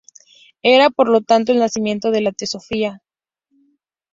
Era, por lo tanto, el nacimiento de la teosofía.